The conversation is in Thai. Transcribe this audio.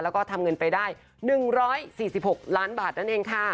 แล้วก็ทำเงินไปได้๑๔๖ล้านบาทนั่นเองค่ะ